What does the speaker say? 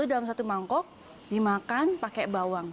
satu dalam satu mangkok dimakan pakai bawang